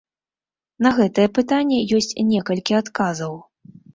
На гэтае пытанне ёсць некалькі адказаў.